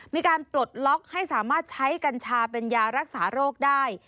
ปลดล็อกให้สามารถใช้กัญชาเป็นยารักษาโรคได้